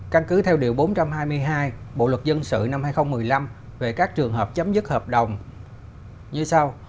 căn cứ theo điều bốn trăm hai mươi hai bộ luật dân sự năm hai nghìn một mươi năm về các trường hợp chấm dứt hợp đồng như sau